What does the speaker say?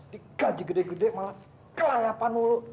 di gaji gede gede malah kelayapan mulu